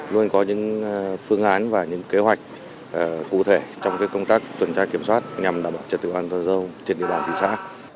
luôn có những phương án và những kế hoạch cụ thể trong công tác tuần tra kiểm soát nhằm đảm bảo trật tự an toàn giao thông trên địa bàn thị xã